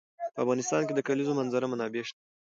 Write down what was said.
په افغانستان کې د د کلیزو منظره منابع شته.